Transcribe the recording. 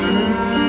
tunggu ya pak